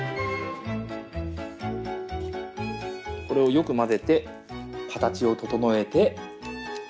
これをよく混ぜて形を整えて。